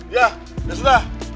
iya ya sudah